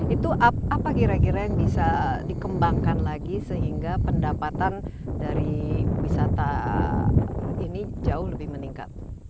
itu apa kira kira yang bisa dikembangkan lagi sehingga pendapatan dari wisata ini jauh lebih meningkat